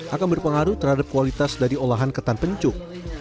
akan berpengaruh terhadap kualitas dari olahan ketan pencuk